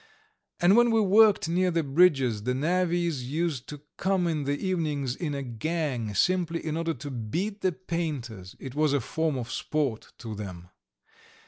And when we worked near the bridges the navvies used to come in the evenings in a gang, simply in order to beat the painters it was a form of sport to them.